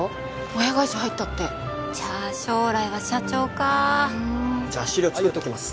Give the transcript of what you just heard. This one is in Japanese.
親会社入ったってじゃあ将来は社長かじゃあ資料作っときます